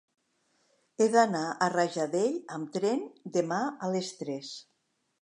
He d'anar a Rajadell amb tren demà a les tres.